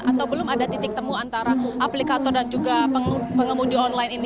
atau belum ada titik temu antara aplikator dan juga pengemudi online ini